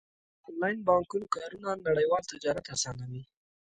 د انلاین بانکونو کارونه نړیوال تجارت اسانوي.